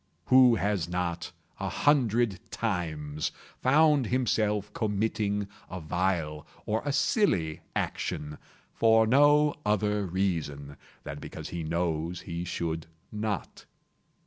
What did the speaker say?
Who has not, a hundred times, found himself committing a vile or a silly action, for no other reason than because he knows he should not?